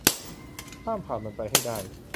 ข้ามผ่านมันไปให้ได้